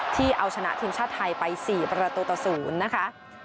ที่เอาชนะทีมชาติไทยไป๔ประตูต่อ๐นะคะ